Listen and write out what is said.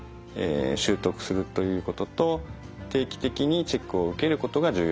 習得するということと定期的にチェックを受けることが重要です。